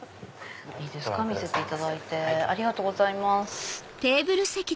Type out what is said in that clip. いいですか見せていただいてありがとうございます。